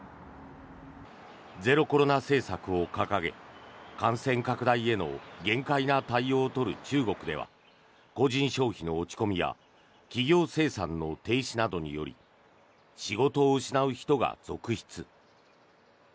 ゼロコロナ政策を掲げ感染拡大への厳戒な対応を取る中国では個人消費の落ち込みや企業生産の停止などにより仕事を失う人が続出。